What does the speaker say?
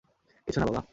কিছু না বাবা।